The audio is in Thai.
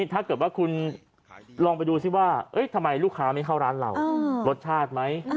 ถ้าเกิดว่าคุณลองไปดูซิว่าทำไมลูกค้าไม่เข้าร้านเรารสชาติไหม